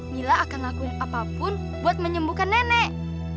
mila akan lakuin apapun buat menyembuhkan nenek